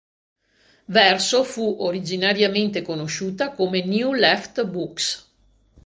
Verso fu originariamente conosciuta come New Left Books.